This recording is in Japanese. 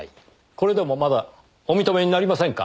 これでもまだお認めになりませんか？